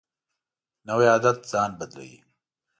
نوی عادت ځان بدلوي